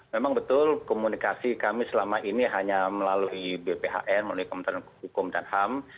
memang betul komunikasi kami selama ini hanya melalui bphn melalui kementerian hukum dan ham